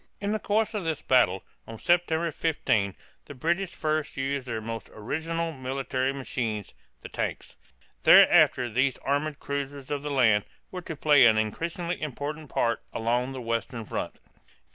In the course of this battle, on September 15, the British first used their most original military machines the "tanks." Thereafter these armored cruisers of the land were to play an increasingly important part along the western front.